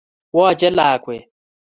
Woche lakwet